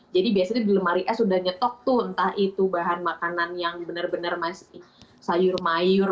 jadi biasanya di lemari es udah nyetok tuh entah itu bahan makanan yang bener bener masih sayur mayur